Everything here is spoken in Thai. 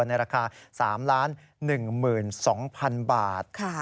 ในราคา๓ล้าน๑๒๐๐๐บาท